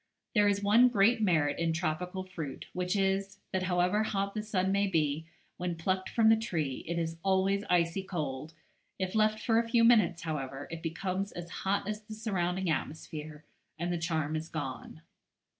There is one great merit in tropical fruit, which is, that however hot the sun may be, when plucked from the tree it is always icy cold; if left for a few minutes, however, it becomes as hot as the surrounding atmosphere, and the charm is gone.